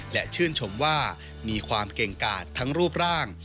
และชื่นชมว่ามีความเก่งกาดทั้งรูปร่าง